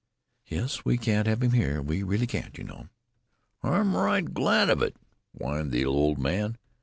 "Yes, we can't have him here. We really can't, you know?" "I'm right glad of it," whined the old man.